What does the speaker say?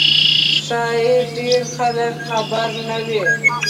ښایي ډېر خلک خبر نه وي.